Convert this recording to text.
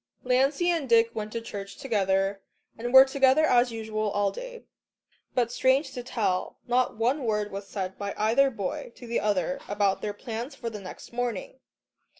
Lancey and Dick went to church together and were together as usual all day. But strange to tell, not one word was said by either boy to the other about their plans for the next morning.